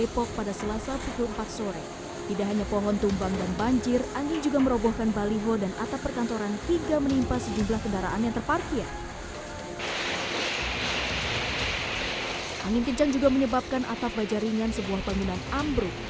pada arah mengalami lumpur